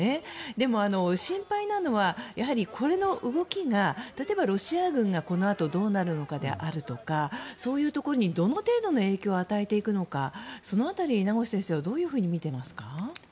でも、心配なのはこの動きが例えばロシア軍がこのあとどうなるのかというところやそういうところにどの程度影響を与えていくのかその辺り、名越先生はどのようにみていますか？